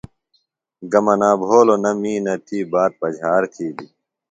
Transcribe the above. گہ منا بھولوۡ نہ می نہ تی بات پجہار تِھیلیۡ۔